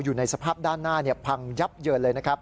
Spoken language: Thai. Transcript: อยู่ในสภาพด้านหน้าพังยับเยินเลยนะครับ